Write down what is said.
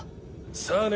さあね。